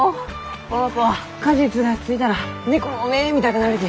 この子は果実がついたら猫の目みたくなるき。